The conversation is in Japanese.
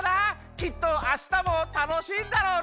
きっとあしたもたのしいんだろうな！